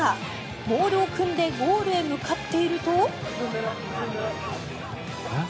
モールを組んでゴールへ向かっていると。